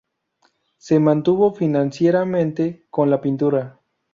Se mantuvo financieramente con la pintura.